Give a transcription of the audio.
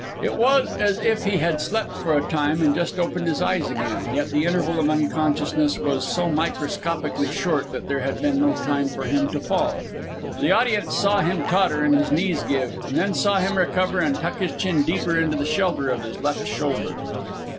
It was as if he had slept for a time and just opened his eyes again, and yet the interval of unconsciousness was so microscopically short that there had been no time for him to fall. The audience saw him totter and his knees give, and then saw him recover and tuck his chin deeper into the shelter of his left shoulder.